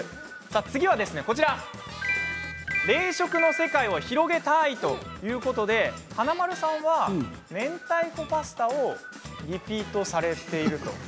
次は冷食の世界を広げたいということで華丸さんはめんたいこパスタをリピートされていると。